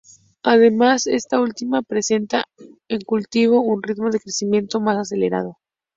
Además esta última presenta en cultivo un ritmo de crecimiento más acelerado.